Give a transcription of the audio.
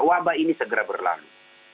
wabah ini segera berlalu